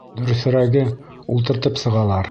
Дөрөҫөрәге, ултыртып сығалар.